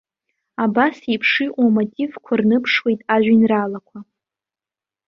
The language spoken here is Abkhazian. Абас еиԥш иҟоу амотивқәа рныԥшуеит ажәеинраалақәа.